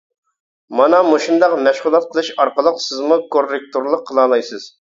مانا مۇشۇنداق مەشغۇلات قىلىش ئارقىلىق سىزمۇ كوررېكتورلۇق قىلالايسىز.